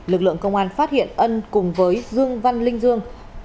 lực lượng công an phát hiện ân cùng với dương văn linh dương